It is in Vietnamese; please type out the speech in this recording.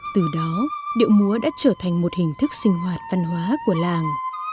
từ đó điệu múa đã trở thành một hình thức sinh hoạt văn hóa của làng